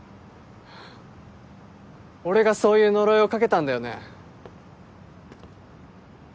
俺がそういう呪いをかけたんだよね？